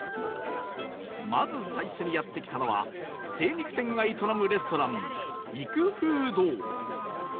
まず最初にやって来たのは生肉店が営むレストラン育風堂